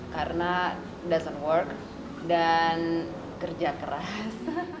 karena it's not working dan kerja keras